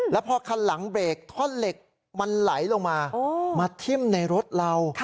แล้วพอคันหลังเบรกท่อนเหล็กมันไหลลงมามาทิ้มในรถเรา